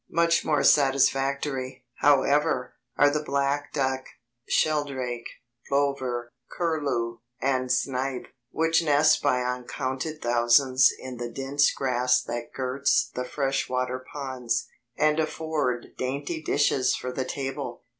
Much more satisfactory, however, are the black duck, sheldrake, plover, curlew, and snipe, which nest by uncounted thousands in the dense grass that girts the fresh water ponds, and afford dainty dishes for the table.